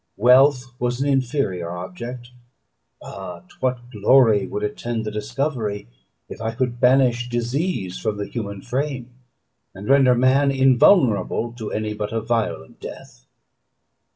Wealth was an inferior object; but what glory would attend the discovery, if I could banish disease from the human frame, and render man invulnerable to any but a violent death!